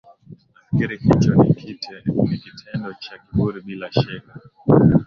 nafikiri hicho ni kite ni kitendo cha kiburi bila shaka